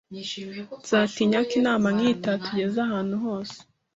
Nzatinya ko inama nkiyi itatugeza ahantu hose.